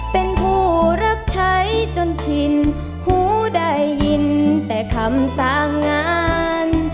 เป็นผู้รับใช้จนชินหูได้ยินแต่คำสั่งงาน